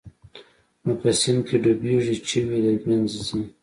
نو په سيند کښې ډوبېږي چوي د منځه ځي.